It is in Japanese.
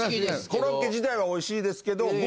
コロッケ自体はおいしいですけど。